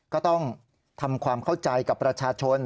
ก็ต้องทำความเข้าใจกับประชาชน